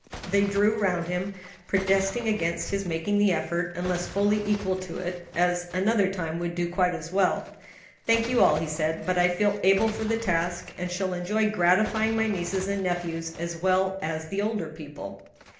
They drew around him, protesting against his making the effort, unless fully equal to it; as another time would do quite as well. "Thank you all," he said; "but I feel able for the task, and shall enjoy gratifying my nieces and nephews, as well as the older people."